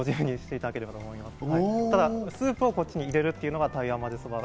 ただ、スープをこっちに入れるのが台湾まぜそば。